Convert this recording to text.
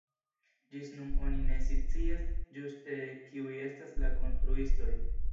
Ĝis nun oni ne scias ĝuste kiuj estas la konstruistoj.